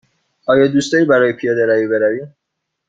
آیا دوست داری برای پیاده روی بروی؟